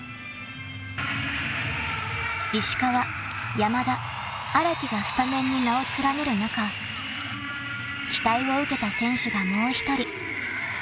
［石川山田荒木がスタメンに名を連ねる中期待を受けた選手がもう１人］